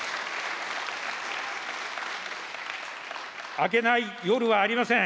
明けない夜はありません。